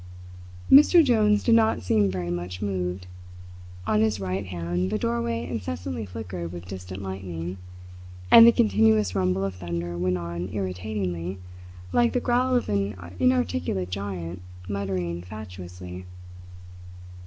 Mr Jones did not seem very much moved. On his right hand the doorway incessantly flickered with distant lightning, and the continuous rumble of thunder went on irritatingly, like the growl of an inarticulate giant muttering fatuously.